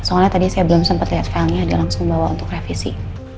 soalnya tadi saya belum sempat lihat filenya dia langsung bawa untuk revisi